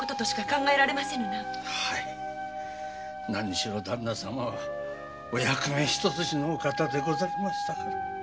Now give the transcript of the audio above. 何しろダンナ様はお役目ひと筋のお方でござりましたから。